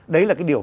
đấy là cái điều